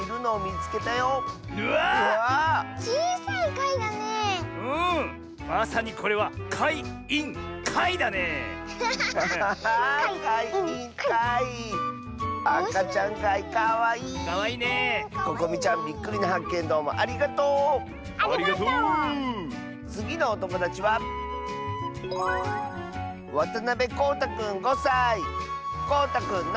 つぎのおともだちはこうたくんの。